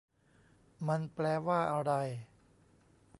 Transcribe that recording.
มันแปลว่าอะไร